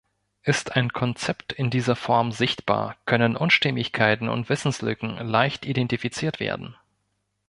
Ist ein Konzept in dieser Form sichtbar, können Unstimmigkeiten und Wissenslücken leicht identifiziert werden.